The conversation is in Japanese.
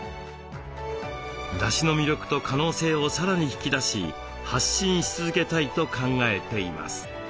だしの魅力と可能性をさらに引き出し発信し続けたいと考えています。